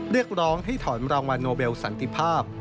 เรียกร้องให้ถอนรางวัลโนเบลสันติภาพ